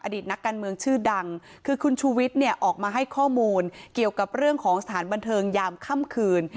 นักการเมืองชื่อดังคือคุณชูวิทย์เนี่ยออกมาให้ข้อมูลเกี่ยวกับเรื่องของสถานบันเทิงยามค่ำคืน